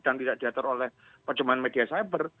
dan tidak diatur oleh perjemahan media cyber